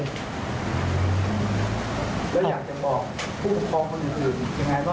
แล้วอยากจะบอกเพื่อผู้คุกคอร์มคนอื่น